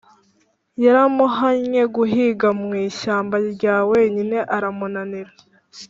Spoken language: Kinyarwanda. yaramuhannye guhiga mu ishyamba rya wenyine aramunanira